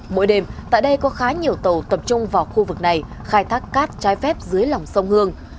mỗi đêm tại đây có khá nhiều tàu tập trung vào khu vực này khai thác cát trái phép dưới lòng sông hương